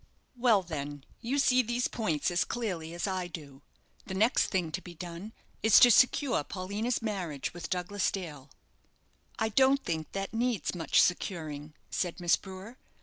"Well, then, you see these points as clearly as I do the next thing to be done is to secure Paulina's marriage with Douglas Dale." "I don't think that needs much securing," said Miss Brewer.